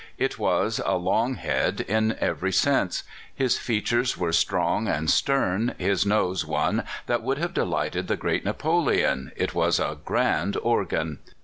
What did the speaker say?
It was a long head in every sense. His features were strong and stern, his nose one that would have delighted the great Napoleon it was a grand organ.